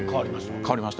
変わりました。